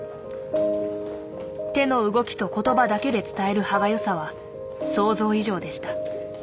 手の動きと言葉だけで伝える歯がゆさは想像以上でした。